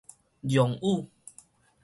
讓與